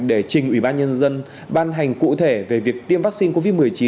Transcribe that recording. để trình ủy ban nhân dân ban hành cụ thể về việc tiêm vaccine covid một mươi chín